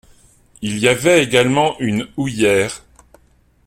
Il y avait également une houillère.